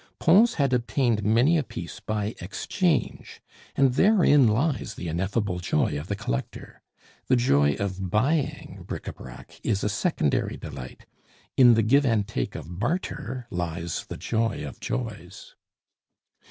Pons had obtained many a piece by exchange, and therein lies the ineffable joy of the collector. The joy of buying bric a brac is a secondary delight; in the give and take of barter lies the joy of joys.